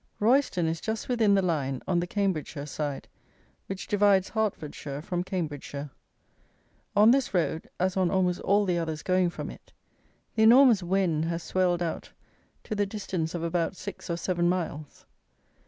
Royston is just within the line (on the Cambridgeshire side), which divides Hertfordshire from Cambridgeshire. On this road, as on almost all the others going from it, the enormous Wen has swelled out to the distance of about six or seven miles.